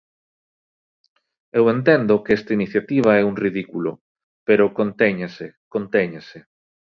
Eu entendo que esta iniciativa é un ridículo, pero contéñanse, contéñanse.